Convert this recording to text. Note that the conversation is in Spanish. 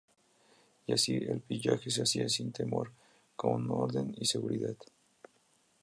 Y así el pillaje se hacía sin temor, con orden y seguridad.